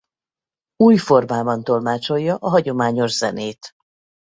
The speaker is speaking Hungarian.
Új formában tolmácsolja a hagyományos zenét.